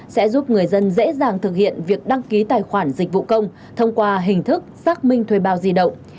sẽ giúp người dân dễ dàng thực hiện việc đăng ký tài khoản dịch vụ công thông qua hình thức xác minh thuê bao di động